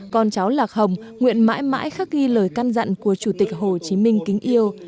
con cháu lạc hồng nguyện mãi mãi khắc ghi lời căn dặn của chủ tịch hồ chí minh kính yêu